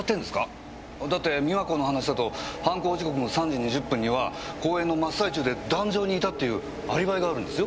だって美和子の話だと犯行時刻の３時２０分には講演の真っ最中で壇上にいたっていうアリバイがあるんですよ。